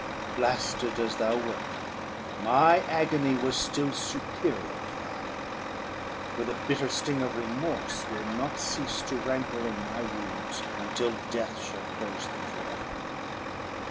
Blasted as thou wert, my agony was still superior to thine; for the bitter sting of remorse will not cease to rankle in my wounds until death shall close them for ever.